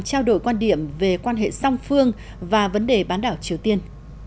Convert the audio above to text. trao đổi quan điểm về quan hệ song phương và vấn đề bán đảo triều tiên